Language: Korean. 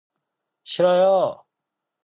싫어요!